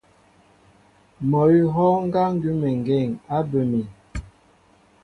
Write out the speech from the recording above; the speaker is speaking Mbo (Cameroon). Mɔ awʉ̌ a hɔ́ɔ́ŋ ŋgá ŋgʉ́əŋgeŋ á bə mi.